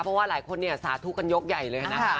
เพราะว่าหลายคนสาธุกรรยกใหญ่เลยนะคะ